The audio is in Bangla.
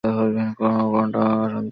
আমি তার কান্না শুনতে পাচ্ছি।